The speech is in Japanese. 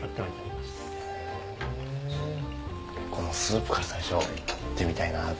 このスープから最初行ってみたいなと。